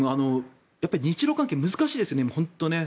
やっぱり日ロ関係難しいですね、今。